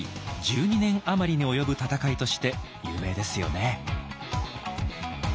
１２年余りに及ぶ戦いとして有名ですよね。